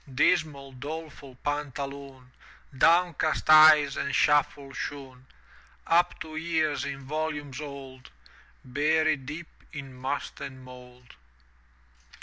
Dismal, doleful Pantaloon, Downcast eyes and shuffle shoon, ^^r^.^^lti Up to ears in volumes old. Buried deep in must and mould.